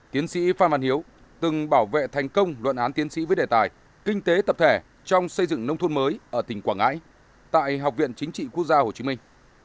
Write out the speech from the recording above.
tiến sĩ phan văn hiếu từng bảo vệ thành công luận án tiến sĩ với đề tài kinh tế tập thể trong xây dựng nông thôn mới ở tỉnh quảng ngãi tại học viện chính trị quốc gia hồ chí minh